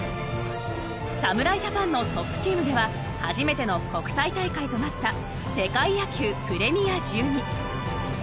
侍ジャパンのトップチームでは初めての国際大会となった世界野球プレミア１２。